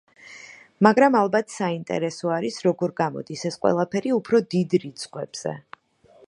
მაგრამ ალბათ საინტერესო არის, როგორ გამოდის ეს ყველაფერი უფრო დიდ რიცხვებზე.